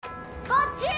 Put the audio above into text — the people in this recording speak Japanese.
こっち！